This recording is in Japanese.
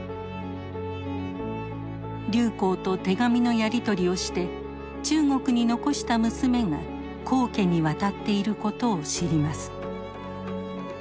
劉好と手紙のやり取りをして中国に残した娘が黄家に渡っていることを知ります。